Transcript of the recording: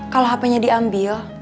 kalau hp nya diambil